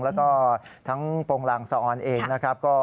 แล้วก็ทั้งโปรงลางสะออนเองนะครับ